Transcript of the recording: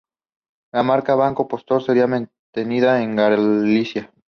La marca Banco Pastor sería mantenida en Galicia.